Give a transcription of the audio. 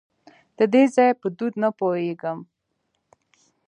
د دې ځای په دود نه پوهېږم .